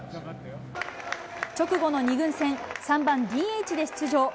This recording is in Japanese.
直後の２軍戦、３番ＤＨで出場。